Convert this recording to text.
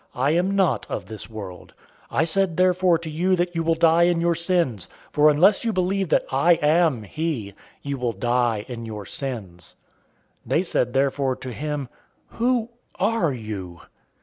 I am not of this world. 008:024 I said therefore to you that you will die in your sins; for unless you believe that I AM he, you will die in your sins." 008:025 They said therefore to him, "Who are you?"